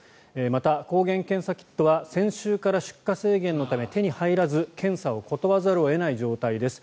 また、抗原検査キットは先週から出荷制限のため手に入らず検査を断らざるを得ない状態です。